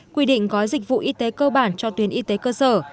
quy định gói dịch vụ y tế cơ bản cho tuyến y tế cơ sở